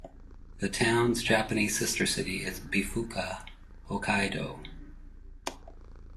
The town's Japanese sister city is Bifuka, Hokkaido.